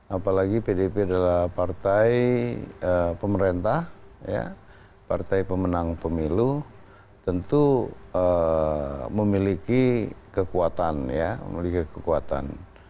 apalagi pdip adalah partai pemerintah partai pemenang pemilu tentu memiliki kekuatan